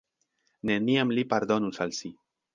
Neniam li pardonus al si.